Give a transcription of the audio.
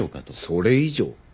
それ以上？